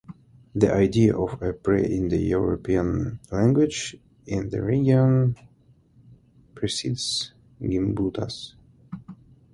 The idea of a Pre-Indo-European language in the region precedes Gimbutas.